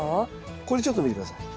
これちょっと見て下さい。